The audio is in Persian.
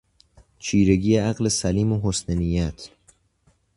چیرگی عقل سلیم و حسن نیت